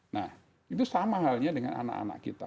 nah itu sama halnya dengan anak anak kita